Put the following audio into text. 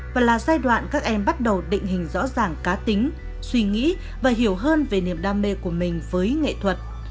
và là giai đoạn các em bắt đầu định hình rõ ràng cá tính suy nghĩ và hiểu hơn về niềm đam mê của mình với nghệ thuật